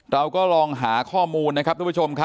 เราก็ลองหาข้อมูลนะครับทุกผู้ชมครับ